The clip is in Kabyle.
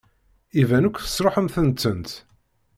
Iban akk tesṛuḥemt-tent.